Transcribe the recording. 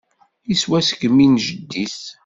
Iswa seg imi n jeddi-s.